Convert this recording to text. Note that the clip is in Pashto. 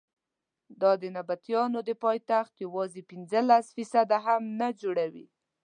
دا د نبطیانو د پایتخت یوازې پنځلس فیصده هم نه جوړوي.